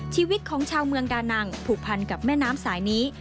ชีวิตของชาวเมืองดานังผูกพันกับแม่น้ำสายนี้